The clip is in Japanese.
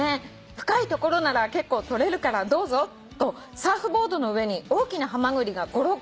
深い所なら結構採れるからどうぞ』とサーフボードの上に大きなハマグリが５６個」